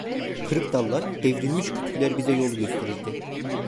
Kırık dallar, devrilmiş kütükler bize yol gösterirdi.